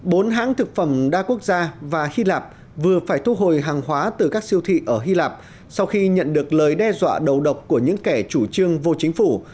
bốn hãng thực phẩm đa quốc gia và hy lạp vừa phải thu hồi hàng hóa từ các siêu thị ở hy lạp sau khi nhận được lời đe dọa đầu độc của những kẻ chủ trương vô chính phủ